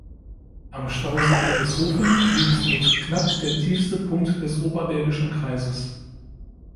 Am Stausee Ehreshoven liegt mit knapp der tiefste Punkt des Oberbergischen Kreises.